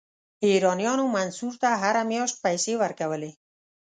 ایرانیانو منصور ته هره میاشت پیسې ورکولې.